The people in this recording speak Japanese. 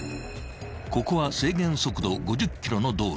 ［ここは制限速度５０キロの道路］